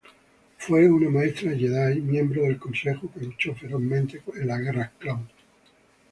Fue una Maestra Jedi miembro del Consejo que luchó ferozmente en las Guerras Clon.